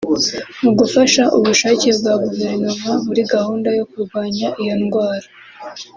mu gufasha ubushake bwa guverinoma muri gahunda yo kurwanya iyo ndwara